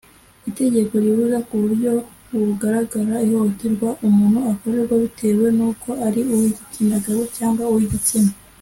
Itegeko ribuza ku buryo bugaragara ihohoterwa umuntu akorerwa bitewe n uko ari uw igitsina gabo cyangwa uw igitsina